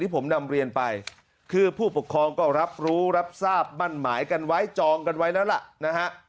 ผมนำเรียนไปคือผู้ปกครองก็รับรู้รับทราบมั่นหมายกันไว้จองกันไว้แล้วล่ะนะฮะ